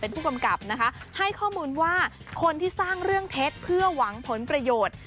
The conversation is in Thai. ผู้กำกับนะคะให้ข้อมูลว่าคนที่สร้างเรื่องเท็จเพื่อหวังผลประโยชน์